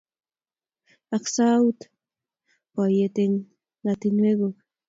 Ak sauot boiyet eng ngatinweguk